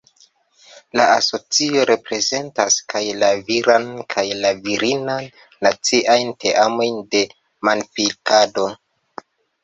La asocio reprezentas kaj la viran kaj la virinan naciajn teamojn de manpilkado.